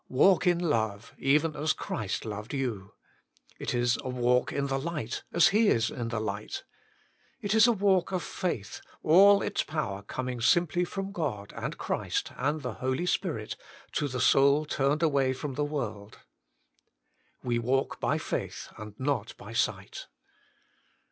" Walk in love, even as Christ loved you." It is a " walk in the light, as He is in the light." It is a walk of faith, all its power coming simply from God and Christ and the Holy Spirit, to the soul turned away from the world. " We walk by faith, and not by sight."